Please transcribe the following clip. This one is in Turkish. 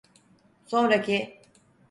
Sonraki!